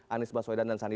anies baswedan dan sandi